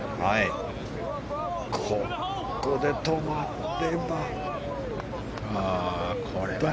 ここで止まれば。